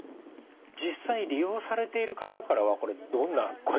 実際利用されている方からはこれどんな声が届いてますか？